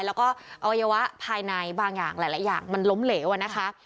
แล้วก็อวัยวะภายในบางอย่างหลายอย่างมันล้มเหลวนะคะ